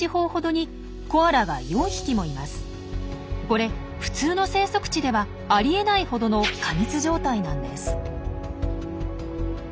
これ普通の生息地ではありえないほどの過密状態なんです。